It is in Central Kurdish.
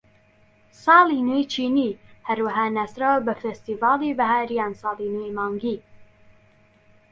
ساڵی نوێی چینی هەروەها ناسراوە بە فێستیڤاڵی بەهار یان ساڵی نوێی مانگی.